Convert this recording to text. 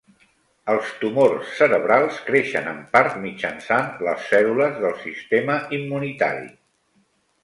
Els tumors cerebrals creixen en part mitjançant les cèl·lules del sistema immunitari